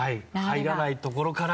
入らないところから。